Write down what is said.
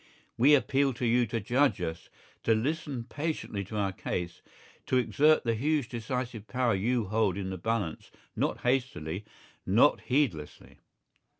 We appeal to you to judge us, to listen patiently to our case, to exert the huge decisive power you hold in the balance not hastily, not heedlessly.